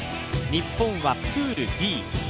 日本はプールＢ。